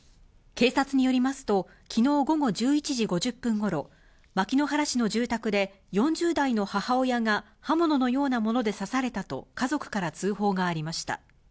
警察によりますと、きのう午後１１時５０分ごろ、牧之原市の住宅で、４０代の母親が刃物のようなもので刺されたと、家族から通報がありました。